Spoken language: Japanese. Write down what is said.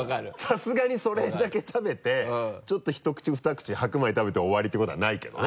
さすがにそれだけ食べてちょっとひと口ふた口白米食べて終わりってことはないけどね